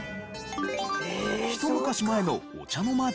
一昔前のお茶の間での事。